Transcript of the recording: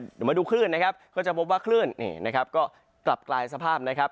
เดี๋ยวมาดูคลื่นนะครับก็จะพบว่าคลื่นนี่นะครับก็กลับกลายสภาพนะครับ